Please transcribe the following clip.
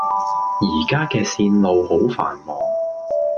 依家既線路好繁忙